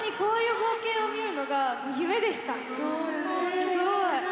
すごい。